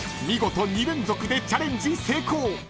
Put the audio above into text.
［見事２連続でチャレンジ成功。